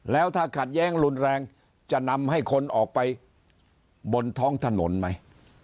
แล้วถ้าขัดแย้งรุนแรงจะนำให้คนออกไปบนท้องถนนไหม